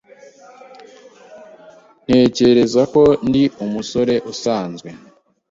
Ntekereza ko ndi umusore usanzwe.